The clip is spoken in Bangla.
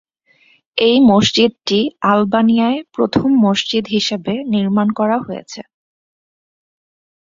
এই মসজিদটি আলবানিয়ায় প্রথম মসজিদ হিসেবে নির্মাণ করা হয়েছে।